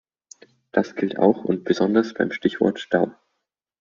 Das gilt auch und besonders beim Stichwort Stau.